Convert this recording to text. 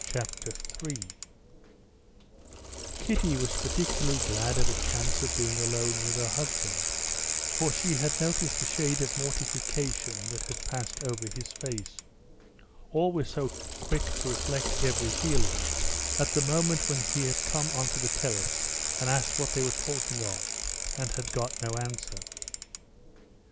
Chapter 3 Kitty was particularly glad of a chance of being alone with her husband, for she had noticed the shade of mortification that had passed over his face—always so quick to reflect every feeling—at the moment when he had come onto the terrace and asked what they were talking of, and had got no answer.